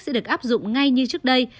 sẽ được áp dụng ngay như trước đây